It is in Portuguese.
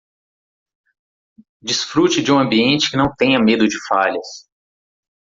Desfrute de um ambiente que não tenha medo de falhas